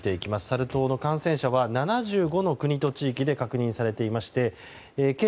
サル痘の感染者は７５の国と地域で確認されていまして、計